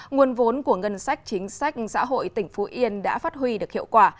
nguồn vốn của ngân sách chính sách xã hội tỉnh phú yên đã phát huy được hiệu quả